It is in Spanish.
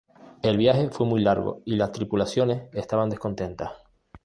El viaje fue muy largo y las tripulaciones estaban descontentas.